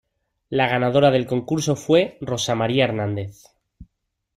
La ganadora del concurso fue Rosa María Hernández.